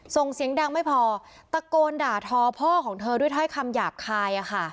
ส่งเสียงดังไม่พอตะโกนด่าทอพ่อของเธอด้วยถ้อยคำหยาบคาย